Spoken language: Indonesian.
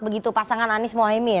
begitu pasangan anies dan muhyem